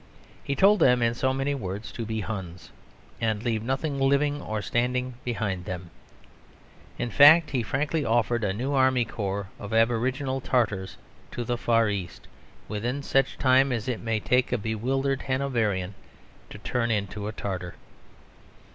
He told them, in so many words, to be Huns: and leave nothing living or standing behind them. In fact, he frankly offered a new army corps of aboriginal Tartars to the Far East, within such time as it may take a bewildered Hanoverian to turn into a Tartar.